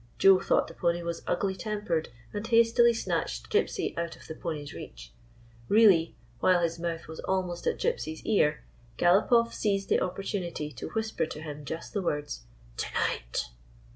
Joe thought the pony was ugly tempered, and hastily snatched Gypsy out of the pony's reach. Really, while his mouth was almost at Gypsy's ear, GalopofF seized the oppor tunity to whisper to him just the words: " To night!